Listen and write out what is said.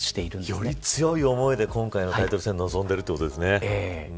より強い思いで今回のタイトル戦に臨んでいるということですね。